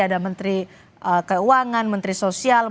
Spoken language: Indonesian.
ada menteri keuangan menteri sosial